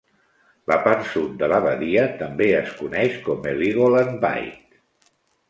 La part sud de la badia també es coneix com Heligoland Bight.